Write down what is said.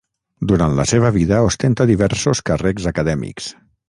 Durant la seva vida ostenta diversos càrrecs acadèmics.